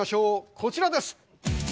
こちらです。